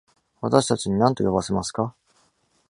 私たちに、何と呼ばせますか？